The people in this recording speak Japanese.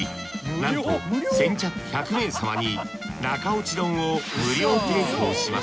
なんと先着１００名様に中落ち丼を無料提供します。